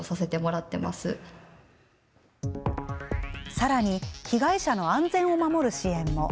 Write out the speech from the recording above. さらに被害者の安全を守る支援も。